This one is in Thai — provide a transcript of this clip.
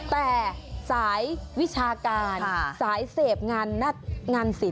แต่สายวิชาการสายเสพงานศิลป